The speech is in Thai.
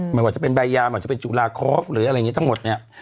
ไม่ว่าจะเป็นใบยามันจะเป็นจุลาคอฟหรืออะไรอย่างนี้ทั้งหมดเนี่ย